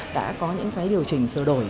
đã có những điều chỉnh sửa đổi